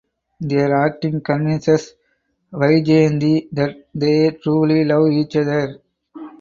Their acting convinces Vyjayanthi that they truly love each other.